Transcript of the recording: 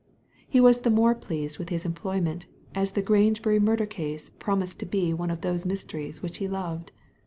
He was the more pleased with his employment, as the Grangebury murder case promised to be one of those mysteries which he loved.